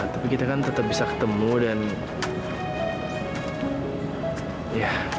sampai jumpa di video selanjutnya